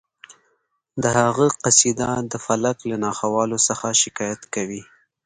د هغه قصیده د فلک له ناخوالو څخه شکایت کوي